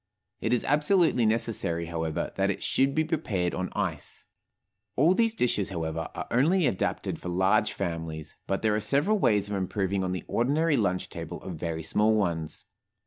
It is absolutely necessary, however, that it should be prepared on ice. All these dishes, however, are only adapted for large families, but there are several ways of improving on the ordinary lunch table of very small ones.